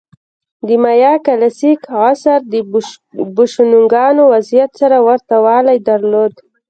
د مایا کلاسیک عصر د بوشونګانو وضعیت سره ورته والی درلود.